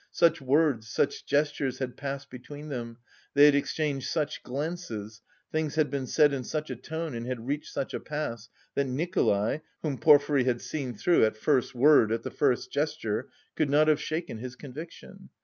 Such words, such gestures had passed between them, they had exchanged such glances, things had been said in such a tone and had reached such a pass, that Nikolay, whom Porfiry had seen through at the first word, at the first gesture, could not have shaken his conviction.